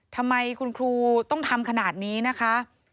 ทำไมคุณครูต้องทำขนาดนี้นะคะ